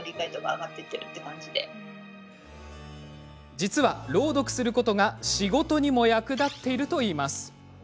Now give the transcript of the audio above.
実は、朗読することが仕事にも役立っているといいます。